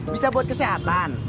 bisa buat kesehatan